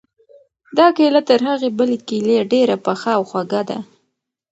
دا کیله تر هغې بلې کیلې ډېره پخه او خوږه ده.